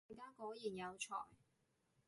大家果然有才